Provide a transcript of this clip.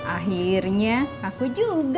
akhirnya aku juga loh mai